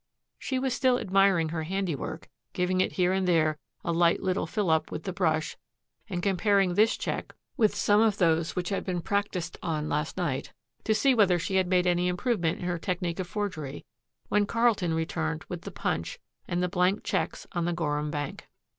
She was still admiring her handiwork, giving it here and there a light little fillip with the brush and comparing this check with some of those which had been practised on last night, to see whether she had made any improvement in her technique of forgery, when Carlton returned with the punch and the blank checks on the Gorham Bank.